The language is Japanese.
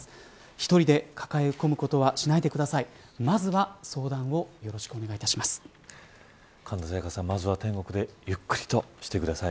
一人で抱え込むことはしないでください。